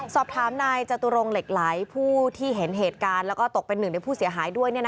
สอบถามนายจตุรงเหล็กไหลผู้ที่เห็นเหตุการณ์แล้วก็ตกเป็นหนึ่งในผู้เสียหายด้วย